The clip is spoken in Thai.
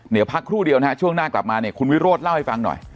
เดี๋ยวพักครู่เดียวนะฮะช่วงหน้ากลับมาเนี่ยคุณวิโรธเล่าให้ฟังหน่อย